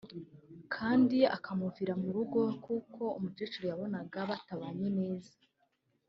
kandi akamuvira mu rugo kuko umukecuru yabonaga batabanye neza